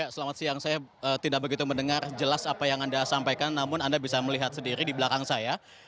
selamat siang saya tidak begitu mendengar jelas apa yang anda sampaikan namun anda bisa melihat sendiri di belakang saya